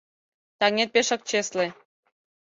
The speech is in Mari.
Таҥет пешак чесле.